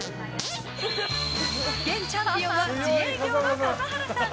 現チャンピオンは自営業の笠原さん。